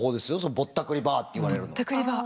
ぼったくりバーっていわれるのは。